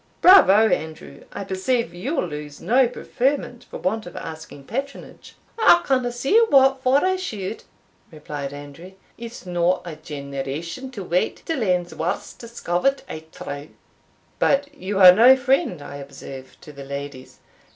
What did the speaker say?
"Bravo, Andrew! I perceive you'll lose no preferment for want of asking patronage." "I canna see what for I should," replied Andrew; "it's no a generation to wait till ane's worth's discovered, I trow." "But you are no friend, I observe, to the ladies."